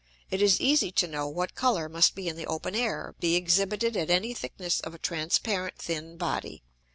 it is easy to know what Colour must in the open Air be exhibited at any thickness of a transparent thin Body.